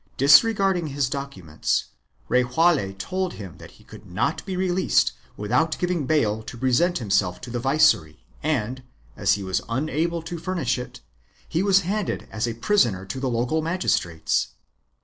Disregarding his documents, Rejaule told him that he could not be released without giving bail to present himself to the viceroy and, as he was unable to furnish it, he was handed as a prisoner to the local magistrates.